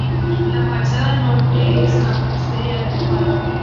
La fachada norte es de mampostería revocada.